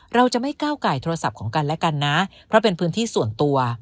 เราจะไม่ก้าวไก่โทรศัพท์ของกันและกันนะเพราะเป็นพื้นที่ส่วนตัว